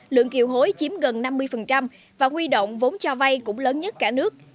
lượng kiều hối chiếm gần năm mươi và huy động vốn cho vay cũng lớn nhất cả nước